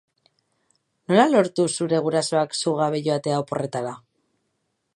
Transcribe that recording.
Nola lortu zure gurasoak zu gabe joatea oporretara?